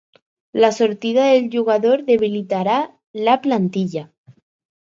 La sortida del jugador debilitarà la plantilla